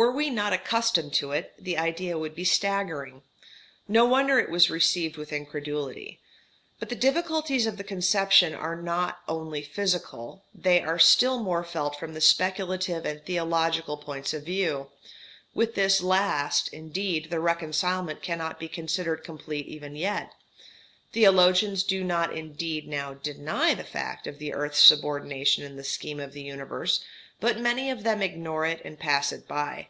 Were we not accustomed to it, the idea would be staggering. No wonder it was received with incredulity. But the difficulties of the conception are not only physical, they are still more felt from the speculative and theological points of view. With this last, indeed, the reconcilement cannot be considered complete even yet. Theologians do not, indeed, now deny the fact of the earth's subordination in the scheme of the universe, but many of them ignore it and pass it by.